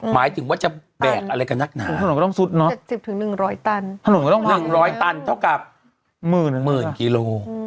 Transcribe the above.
หมายถึงว่าจะแบกอะไรกับนักหนาถนนก็ต้องซุดเนาะ๗๐๑๐๐ตันถนนก็ต้อง๑๐๐ตันเท่ากับหมื่นกิโล